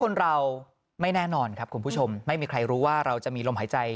คนเราไม่แน่นอนครับคุณผู้ชมไม่มีใครรู้ว่าเราจะมีลมหายใจ